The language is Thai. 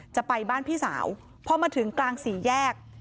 จะไปบ้านพี่สาวพอมาถึงกลางสี่แยก